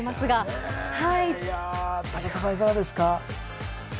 武田さん、いかがですか？